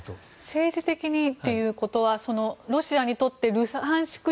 政治的にということはロシアにとってルハンシク